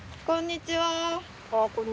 こんにちは。